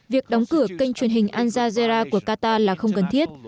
việc đóng cửa kênh truyền hình al jazeera của qatar là không cần thiết